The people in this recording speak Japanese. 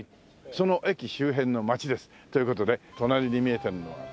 その駅周辺の街です。という事で隣に見えてるのは多摩川ですね。